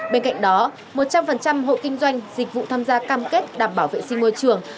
bên cạnh đó một trăm linh hộ kinh doanh dịch vụ tham gia cam kết đảm bảo vệ sinh môi trường